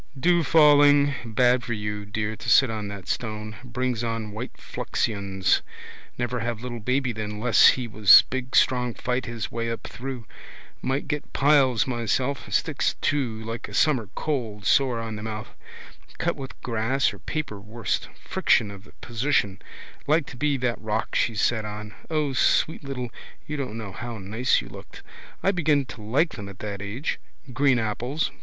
Dew falling. Bad for you, dear, to sit on that stone. Brings on white fluxions. Never have little baby then less he was big strong fight his way up through. Might get piles myself. Sticks too like a summer cold, sore on the mouth. Cut with grass or paper worst. Friction of the position. Like to be that rock she sat on. O sweet little, you don't know how nice you looked. I begin to like them at that age. Green apples.